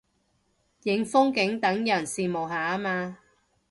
影風景等人羨慕下嘛